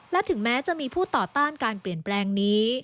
และถึงแม้จะมีผู้ต่อต้านการเปลี่ยนแปลงนี้